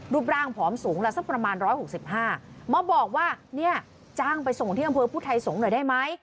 รูปร่างผอมสูงละสักประมาณ๑๖๕มาบอกว่าเนี่ยจ้างไปส่งที่อำเภอพุทธไทยสงฆ์หน่อยได้ไหม